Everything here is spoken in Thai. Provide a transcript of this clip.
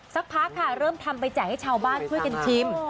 สักพักค่ะเริ่มทำไปแจกให้ชาวบ้านช่วยกันชิม